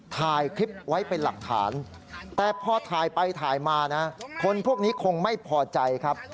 ถ่ายคลิปไว้เป็นหลักฐานแต่พอถ่ายไปถ่ายมานะคนพวกนี้คงไม่พอใจครับ